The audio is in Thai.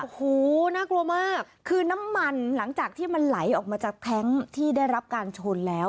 โอ้โหน่ากลัวมากคือน้ำมันหลังจากที่มันไหลออกมาจากแท้งที่ได้รับการชนแล้ว